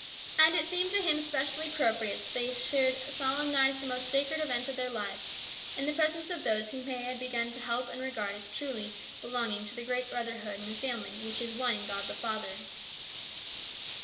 And it seemed to him specially appropriate that they should solemnise the most sacred event of their lives in the presence of those whom they had begun to help and regard as truly belonging to the great brotherhood in the family which is one in God the Father.